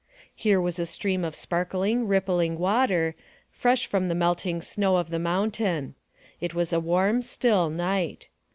Here was a stream of sparkling, rippling water, fresh from the melting snow of the mountain. It was a warm, still night.